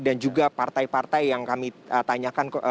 dan juga partai partai yang kami tanyakan